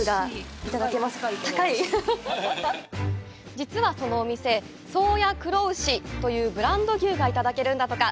実はそのお店、宗谷黒牛というブランド牛がいただけるんだとか。